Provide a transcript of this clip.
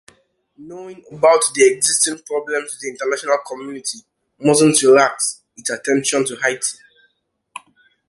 Knowing about the existing problems the international community mustn’t relax its attention to Haiti.